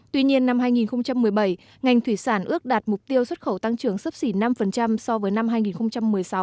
tuy nhiên năm hai nghìn một mươi bảy ngành thủy sản ước đạt mục tiêu xuất khẩu tăng trưởng sấp xỉ năm so với năm hai nghìn một mươi sáu